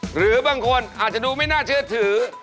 หรือบางคนอาจจะดูไม่น่าเชื่อถือ